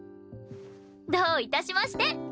どういたしまして！